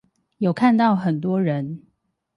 有看到很多人